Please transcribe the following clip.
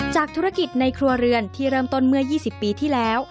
จากธุรกิจในครัวเรือนที่เริ่มต้นเมื่อ๒๐ปีที่แล้ว